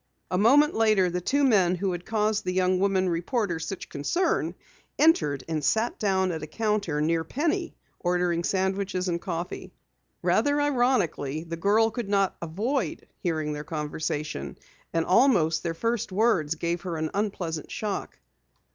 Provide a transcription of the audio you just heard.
A moment later the two men, who had caused the young woman reporter such concern, entered and sat down at a counter near Penny, ordering sandwiches and coffee. Rather ironically, the girl could not avoid hearing their conversation, and almost their first words gave her an unpleasant shock.